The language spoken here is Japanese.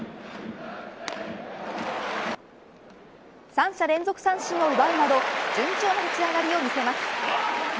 三者連続三振を奪うなど順調な立ち上がりを見せます。